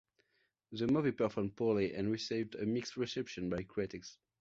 The movie performed poorly, and received a mixed reception by critics.